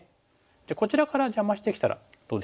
じゃあこちらから邪魔してきたらどうでしょう？